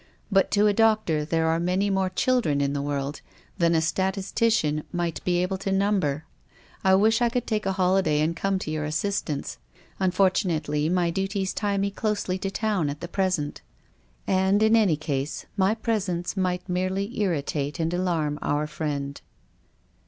But to a doctor there are many more children in the world than a statistician might be able to number. I w ish I could take a holiday and come to your assistance. Unfortunately, my duties tie me closely to town at the present. And, in any 76 TONGUES OF CONSCIENCE. case, my presence might merely irritate and alarm our friend.